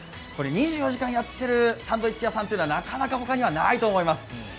２４時間やっているサンドイッチ屋さんはなかなか他にはないと思います。